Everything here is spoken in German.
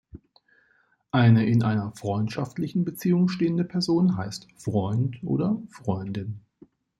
Eine in einer freundschaftlichen Beziehung stehende Person heißt "Freund" oder "Freundin".